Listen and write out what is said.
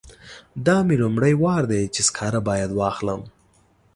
دا مې لومړی وار دی چې سکاره باید واخلم.